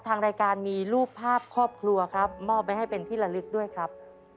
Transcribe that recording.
ทางรายการมีรูปภาพครอบครัวครับมอบไว้ให้เป็นที่ละลึกด้วยครับ